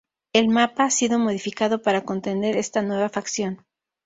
El Mapa ha sido modificado para contener esta nueva facción.